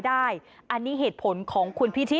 ทีนี้จากรายทื่อของคณะรัฐมนตรี